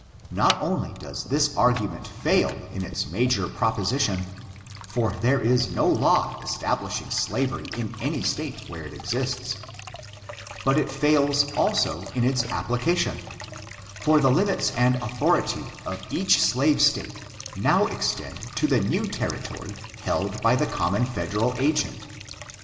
Not only does this argument fail in its major proposition, for there is no law establishing slavery in any state where it exists ; but il fails also in its application, for the limits and authority of each slave State now extend to the new Territory held by the common Federal agent.